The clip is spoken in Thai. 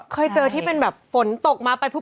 เคยเจอที่เป็นแบบฝนตกมาไปปุ๊บ